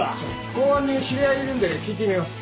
公安に知り合いいるんで聞いてみます。